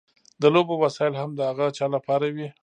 د لوبو وسایل هم د هغه چا لپاره وي.